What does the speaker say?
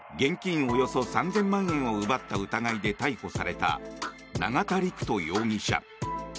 およそ３０００万円を奪った疑いで逮捕された永田陸人容疑者。